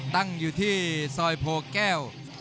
ตั้งอยู่ที่ซอยโพแก้ว